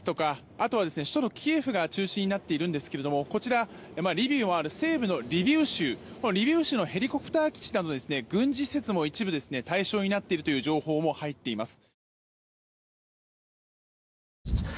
あとは首都キーウが中心になっているんですがこちら、西部のリビウ州のヘリコプター基地など軍事施設も一部対象になっている情報も入っています。